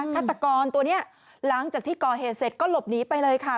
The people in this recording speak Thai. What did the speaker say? ฆาตกรตัวนี้หลังจากที่ก่อเหตุเสร็จก็หลบหนีไปเลยค่ะ